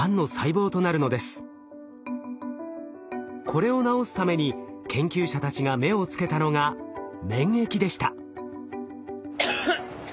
これを治すために研究者たちが目をつけたのが免疫でした。